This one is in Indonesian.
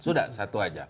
sudah satu aja